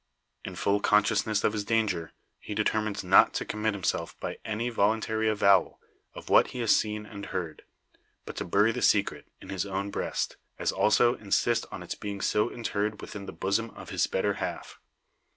In full consciousness of his danger, he determines not to commit himself by any voluntary avowal of what he has seen and heard; but to bury the secret in his own breast, as also insist on its being so interred within the bosom of his better half.